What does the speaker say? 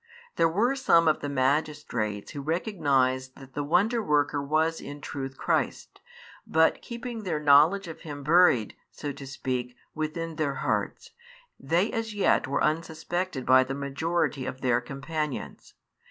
There were some of the magistrates who recognised that the Wonder worker was in truth Christ, but keeping their knowledge of Him buried (so to speak) within their hearts, they as yet were |42 unsuspected by the majority of their companions.